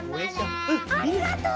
ありがとう！